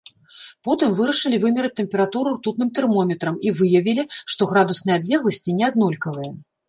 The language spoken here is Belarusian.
Потым вырашылі вымераць тэмпературу ртутным тэрмометрам і выявілі, што градусныя адлегласці не аднолькавыя.